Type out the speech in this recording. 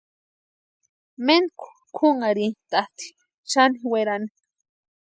Méntku kʼunharhintʼatʼi xani werani.